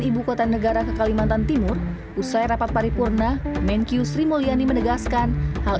ibu kota negara ke kalimantan timur usai rapat paripurna menkyu sri mulyani menegaskan hal